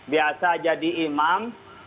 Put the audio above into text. biasa jadi imam